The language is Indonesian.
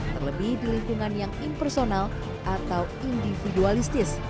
terlebih di lingkungan yang impersonal atau individualistis